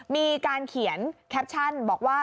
มีการเขียนแคปชั่นบอกว่า